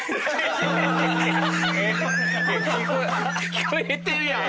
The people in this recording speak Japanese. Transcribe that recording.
聞こえてるやん！